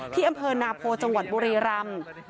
ที่อำเภอนาโพจังหวัดบุรีรำ